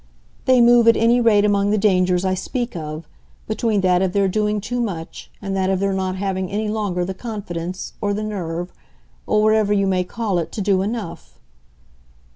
They move at any rate among the dangers I speak of between that of their doing too much and that of their not having any longer the confidence, or the nerve, or whatever you may call it, to do enough."